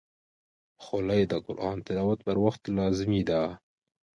خولۍ د قرآن تلاوت پر وخت لازمي ده.